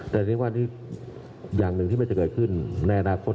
แต่เรียกว่าอย่างหนึ่งที่มันจะเกิดขึ้นในอนาคต